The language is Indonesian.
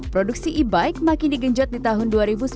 produksi e bike makin digenjot di tahun dua ribu sembilan belas